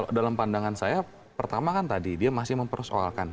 kalau pandangan saya pertama kan tadi dia masih memperusakkan